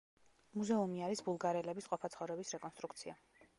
მუზეუმი არის ბულგარელების ყოფა-ცხოვრების რეკონსტრუქცია.